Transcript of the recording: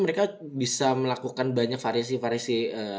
mereka bisa melakukan banyak variasi variasi